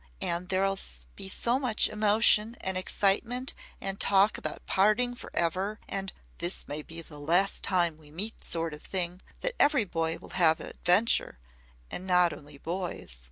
And there'll be so much emotion and excitement and talk about parting forever and 'This may be the last time we ever meet' sort of thing that every boy will have adventure and not only boys.